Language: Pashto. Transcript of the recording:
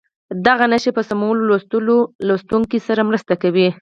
دغه نښې په سمو لوستلو کې له لوستونکي سره مرسته کوي.